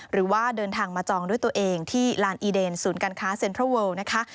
หรือว่าเดินทางมาจองด้วยตัวเองที่ลานอีเดนศูนย์การค้าเซ็นทรัลเวิลนะคะ